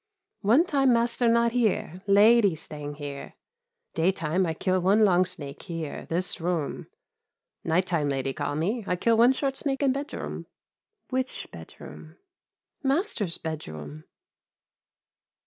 "One time master not here, lady staying here; daytime I kill one long snake, here, this room night time lady call me, I kill one short snake in bedroom." "Which bedroom?" "Master's bedroom."